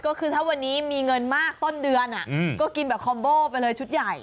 ก็คือถ้าวันนี้มีเงินมากต้นเดือนก็กินแบบคอมโบ้ไปเลยชุดใหญ่